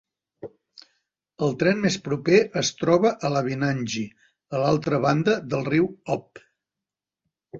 El tren més proper es troba a Labytnangi, a l'altra banda del riu Ob.